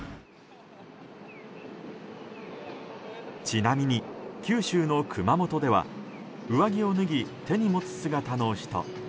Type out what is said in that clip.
ちなみに九州の熊本では上着を脱ぎ、手に持つ姿の人。